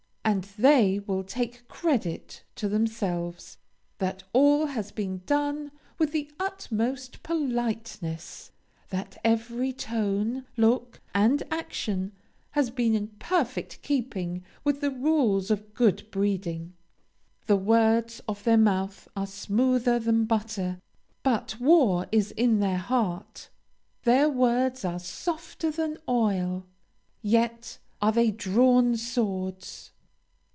And they will take credit to themselves, that all has been done with the utmost politeness; that every tone, look, and action, has been in perfect keeping with the rules of good breeding. "The words of their mouth are smoother than butter, but war is in their heart: their words are softer than oil, yet are they drawn swords."